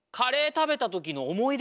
食べた時の思い出？